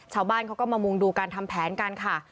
ชาวบ้านเขาก็มามุงดูการทำแผนกันค่ะ